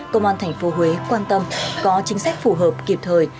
công an tp huế quan tâm có chính sách phù hợp kịp thời